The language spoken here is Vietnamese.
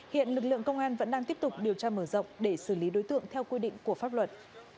hiện lực lượng công an vẫn đang tiếp tục điều tra mở rộng để xử lý đối tượng theo quy định của pháp luật